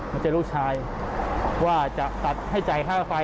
มาเจอลูกชายว่าจะตัดให้จ่ายค่าไฟ